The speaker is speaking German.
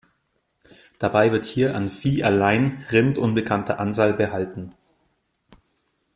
Dabei wird hier an Vieh allein Rind unbekannter Anzahl behalten.